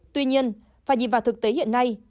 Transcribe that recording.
tuy nhiên phải nhìn vào thực tế hiện nay